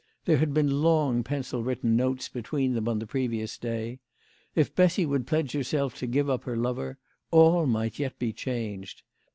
There had been long pencil written notes between them on the previous day. If Bessy would pledge herself to give up her lover all might yet be changed.